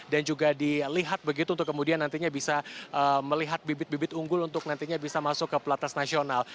dan juga dilihat begitu untuk kemudian nantinya bisa melihat bibit bibit unggul untuk nantinya bisa masuk ke pelatas nasional